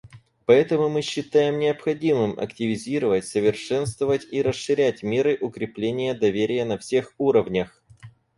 Поэтому мы считаем необходимым активизировать, совершенствовать и расширять меры укрепления доверия на всех уровнях.